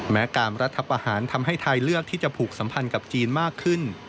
แม้การรัฐประหารทำให้ไทยเลือกที่จะผูกสัมพันธ์กับจีนมากขึ้น